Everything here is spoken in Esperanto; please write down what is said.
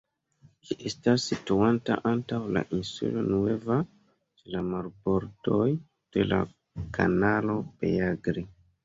Ĝi estas situanta antaŭ la Insulo Nueva, ĉe la marbordoj de la Kanalo Beagle.